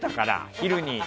昼に。